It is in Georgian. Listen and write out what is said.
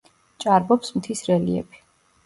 ჭარბობს მთის რელიეფი.